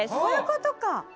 そういうことか。